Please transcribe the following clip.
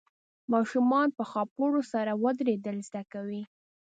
ماشومان په خاپوړو سره ودرېدل زده کوي.